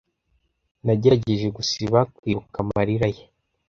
Nagerageje gusiba kwibuka amarira ye.